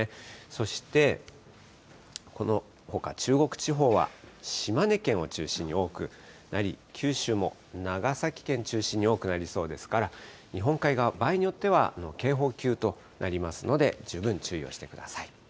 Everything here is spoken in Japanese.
そして、このほか、中国地方は島根県を中心に多くなり、九州も長崎県中心に多くなりそうですから、日本海側、場合によっては警報級となりますので、十分注意をしてください。